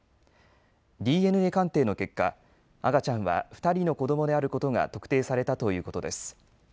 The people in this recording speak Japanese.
ＤＮＡ鑑定の結果、赤ちゃんは２人の子どもであることが特定されたということです。